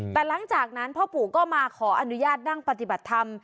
แต่หลังจากนั้นพ่อปู่ก็มาขออนุญาตนั่งปฏิบัติธรรม